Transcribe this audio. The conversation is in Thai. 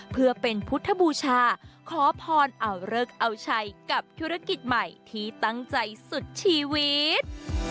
เพื่อเป็นพุทธบูชาขอพรเอาเลิกเอาชัยกับธุรกิจใหม่ที่ตั้งใจสุดชีวิต